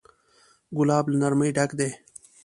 ګلاب له نرمۍ ډک دی.